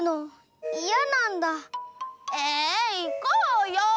えいこうよ！